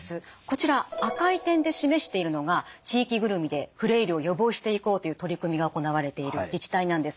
こちら赤い点で示しているのが地域ぐるみでフレイルを予防していこうという取り組みが行われている自治体なんです。